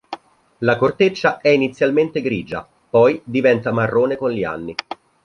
La corteccia è inizialmente grigia, poi diventa marrone con gli anni.